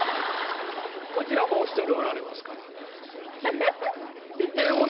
こちらもお１人おられますから。